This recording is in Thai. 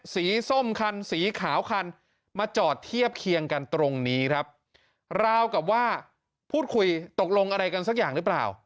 ส้มคันสีขาวคันมาจอดเทียบเคียงกันตรงนี้ครับราวกับว่าพูดคุยตกลงอะไรกันสักอย่างหรือเปล่า